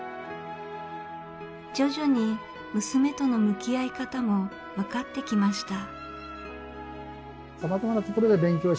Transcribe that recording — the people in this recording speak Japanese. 徐々に娘との向き合い方もわかってきました。